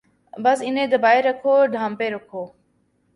بس انہیں دبائے رکھو، ڈھانپے رکھو۔